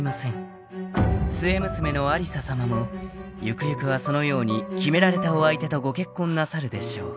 ［末娘の有沙さまもゆくゆくはそのように決められたお相手とご結婚なさるでしょう］